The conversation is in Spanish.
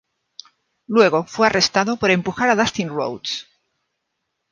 Luego fue "arrestado" por empujar a Dustin Rhodes.